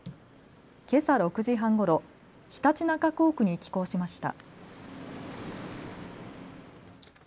けさ６時半ごろ常陸那珂港区に寄港しました。